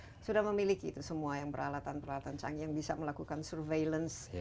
kita sudah memiliki itu semua yang peralatan peralatan canggih yang bisa melakukan surveillance